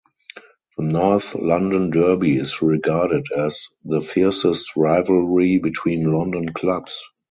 The North London Derby is regarded as the fiercest rivalry between London clubs.